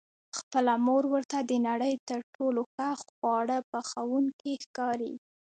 خپله مور ورته د نړۍ تر ټولو ښه خواړه پخوونکې ښکاري.